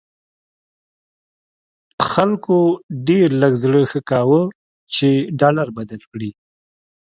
خلکو ډېر لږ زړه ښه کاوه چې ډالر بدل کړي.